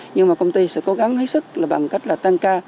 nhưng mà công ty sẽ cố gắng hết sức là bằng cách là tăng ca